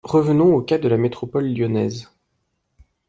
Revenons au cas de la métropole lyonnaise.